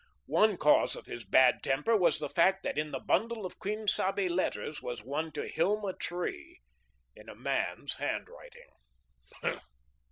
One cause of his bad temper was the fact that in the bundle of Quien Sabe letters was one to Hilma Tree in a man's handwriting.